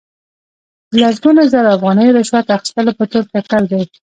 د لسګونو زرو افغانیو رشوت اخستلو په تور ککړ دي.